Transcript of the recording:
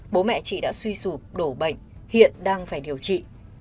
bố mẹ chị đã suy sụp đổ bệnh hiện đang phải điều trị